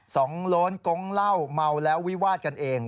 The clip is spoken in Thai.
โล้นกงเหล้าเมาแล้ววิวาดกันเอง